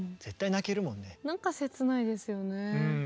なんか切ないですよね。